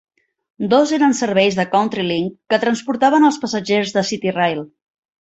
Dos eren serveis de CountryLink que transportaven als passatgers de CityRail.